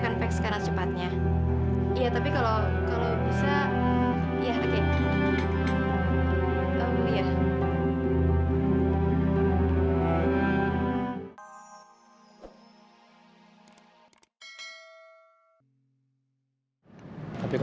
kamu pulang duluan ya gak apa apa kan